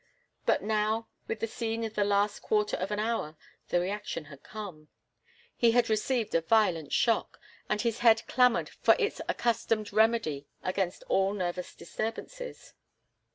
But now, with the scene of the last quarter of an hour, the reaction had come. He had received a violent shock, and his head clamoured for its accustomed remedy against all nervous disturbances.